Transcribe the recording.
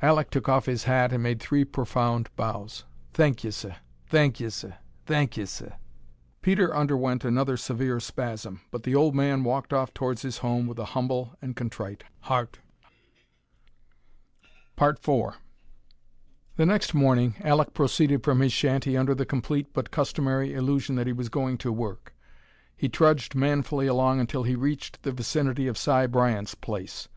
Alek took off his hat and made three profound bows. "Thank 'e, seh. Thank 'e, seh. Thank 'e, seh." Peter underwent another severe spasm, but the old man walked off towards his home with a humble and contrite heart. IV The next morning Alek proceeded from his shanty under the complete but customary illusion that he was going to work. He trudged manfully along until he reached the vicinity of Si Bryant's place.